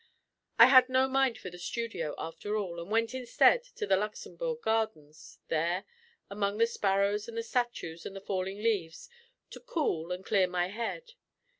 I had no mind for the studio, after all, and went instead to the Luxembourg gardens, there, among the sparrows and the statues and the falling leaves, to cool and clear my head.